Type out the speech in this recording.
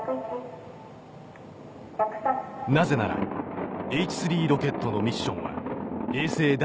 なぜならＨ３ロケットのミッションは衛星だ